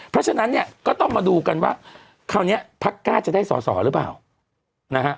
เพราะฉะนั้นเนี่ยก็ต้องมาดูกันว่าคราวนี้พักกล้าจะได้สอสอหรือเปล่านะฮะ